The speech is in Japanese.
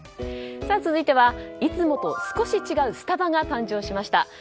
続いてはいつもと少し違うスタバが誕生しました。